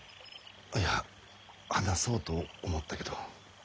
いや話そうと思ったけど。